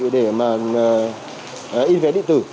để mà in vé điện tử